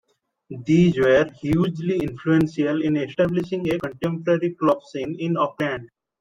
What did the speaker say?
These were hugely influential in establishing a contemporary club scene in Auckland.